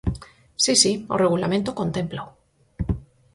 Si, si, o Regulamento contémplao.